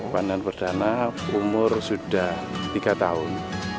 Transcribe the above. panen perdana umur sudah tiga tahun